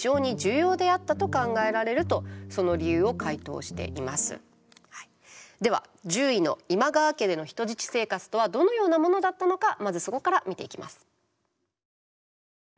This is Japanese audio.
そしてでは１０位の今川家での人質生活とはどのようなものだったのかまずそこから見ていきます。